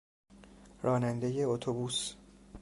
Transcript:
رانندهی اتوبوس